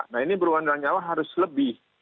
nah ini berhubungan dengan nyawa harus lebih